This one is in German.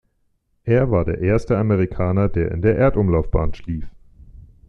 Er war der erste Amerikaner, der in der Erdumlaufbahn schlief.